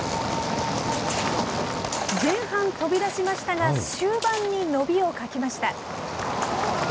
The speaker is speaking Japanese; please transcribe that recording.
前半飛び出しましたが、終盤に伸びを欠きました。